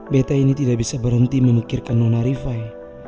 beta ini tidak bisa berhenti memikirkan nona rify